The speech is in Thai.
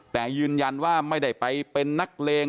แต่ยืนยันว่าไม่ได้ไปเป็นนักเลง